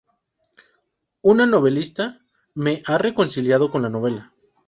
Un novelista que me ha reconciliado con la novela.